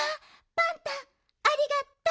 パンタありがとう！